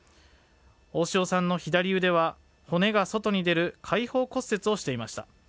大塩さんの左腕は骨が外に出る開放骨折をしていました。